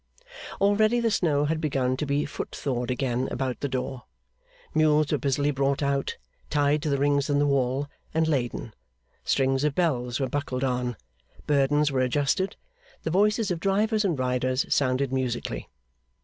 Already the snow had begun to be foot thawed again about the door. Mules were busily brought out, tied to the rings in the wall, and laden; strings of bells were buckled on, burdens were adjusted, the voices of drivers and riders sounded musically.